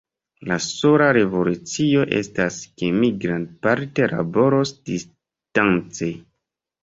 La sola revolucio estas, ke mi grandparte laboros distance.